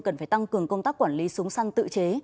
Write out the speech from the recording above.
cần phải tăng cường công tác quản lý súng săn tự chế